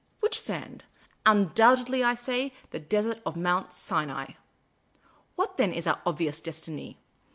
Which sand ? Undoubtedly, I say, the desert of Mount Sinai. What then is our obvious destiny